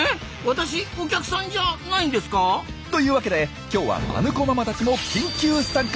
私お客さんじゃないんですか？というわけで今日はマヌ子ママたちも緊急参加！